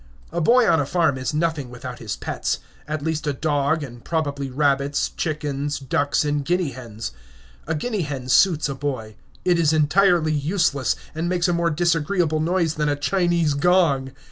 A boy on a farm is nothing without his pets; at least a dog, and probably rabbits, chickens, ducks, and guinea hens. A guinea hen suits a boy. It is entirely useless, and makes a more disagreeable noise than a Chinese gong.